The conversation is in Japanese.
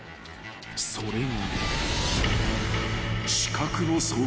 ［それが］